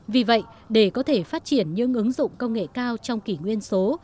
vì vậy để có thể phát triển những ứng dụng công nghệ cao trong kỷ nguyên số